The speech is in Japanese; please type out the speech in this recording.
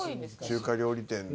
中華料理店で。